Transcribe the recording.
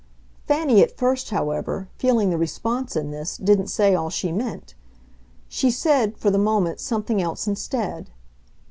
Fanny at first, however, feeling the response in this, didn't say all she meant; she said for the moment something else instead.